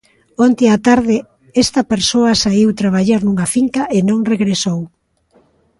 Onte á tarde esta persoa saíu traballar nunha finca e non regresou.